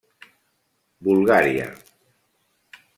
Bulgària.